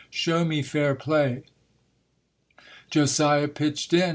Show me fair play!" Josiah pitched in.